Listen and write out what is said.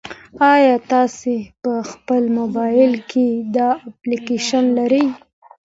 ایا تاسي په خپل موبایل کې دا اپلیکیشن لرئ؟